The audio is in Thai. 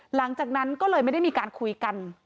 หลังจากนั้นก็เลยไม่ได้มีการคุยกัน